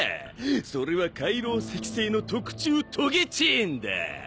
それは海楼石製の特注トゲチェーンだ。